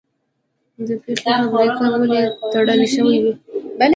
د پنبې فابریکې ولې تړل شوې وې؟